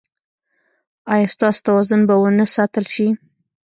ایا ستاسو توازن به و نه ساتل شي؟